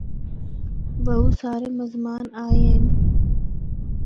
بہوں سارے مزمان آئے ہن۔